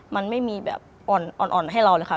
มันไม่มีแบบอ่อนให้เราเลยค่ะ